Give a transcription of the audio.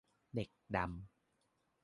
เด็กดำ